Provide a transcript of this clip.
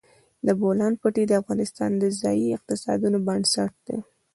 د بولان پټي د افغانستان د ځایي اقتصادونو بنسټ دی.